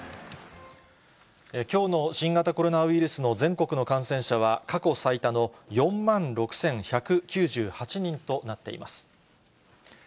きょうの新型コロナウイルスの全国の感染者は、過去最多の４万６１９８人となっています。